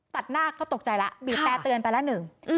ตัดหน้าเขาตกใจแล้วบีบแต่เตือนไปแล้วหนึ่ง